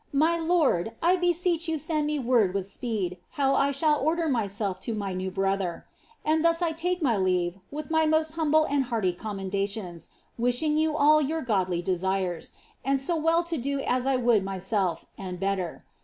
My l(ird, I beseech you sen<l me word with speed how I shall, order myself to my new brother. And thus I take my leave with my most humble tfiil hearty cinnmendations, wishing ynu all your grnlly desires, and so well to do as I would myself, ami better.